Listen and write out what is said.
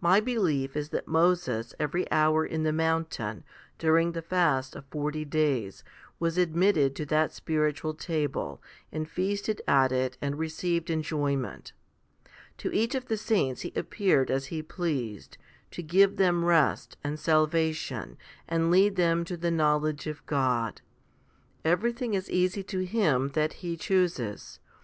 My belief is that Moses, every hour in the mountain, during the fast of forty days, was admitted to that spiritual table, and feasted at it and received enjoyment. To each of the saints He appeared as He pleased, to give them rest and salvation and lead them to the knowledge of God. Everything is easy to Him that He chooses.